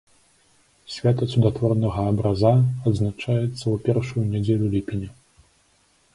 Свята цудатворнага абраза адзначаецца ў першую нядзелю ліпеня.